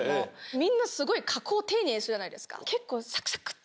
みんなすごい加工を丁寧にするじゃないですか。